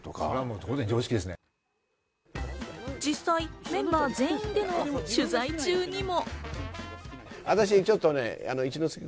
実際、メンバー全員での取材中にも。